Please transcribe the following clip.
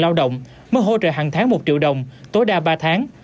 người lao động mới hỗ trợ hàng tháng một triệu đồng tối đa ba tháng